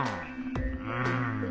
うん。